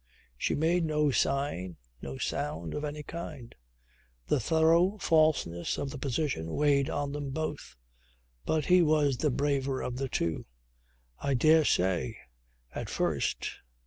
She made no sign, no sound of any kind. The thorough falseness of the position weighed on them both. But he was the braver of the two. "I dare say. At first.